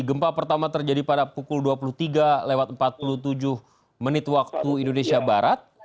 gempa pertama terjadi pada pukul dua puluh tiga empat puluh tujuh menit waktu indonesia barat